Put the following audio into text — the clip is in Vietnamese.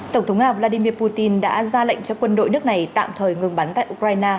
tổng thống nga vladimir putin đã ra lệnh cho quân đội nước này tạm thời ngừng bắn tại ukraine